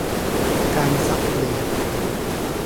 การสับเปลี่ยน